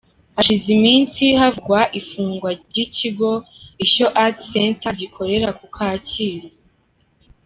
Hashize iminsi havugwa ifungwa ry’ikigo Ishyo Art Center gikorera ku Kacyiru.